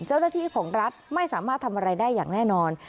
เจ้าหน้าที่ของรัฐไม่สามารถทำอะไรได้อย่างแน่นอน